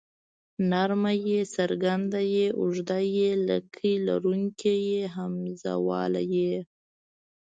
نرمه ی څرګنده ي اوږده ې لکۍ لرونکې ۍ همزه واله ئ